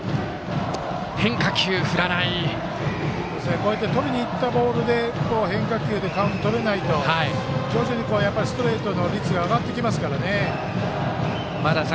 こうしてとりにいったボールで変化球でカウントとれないと徐々に、ストレートの率が上がってきますからね。